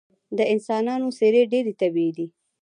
د انسانانو څیرې ډیرې طبیعي وې